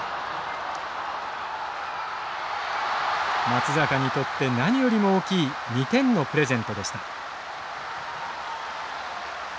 松坂にとって何よりも大きい２点のプレゼントでした。